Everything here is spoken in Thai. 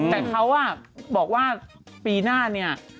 แต่เขาบอกว่าปีหน้าเนี่ย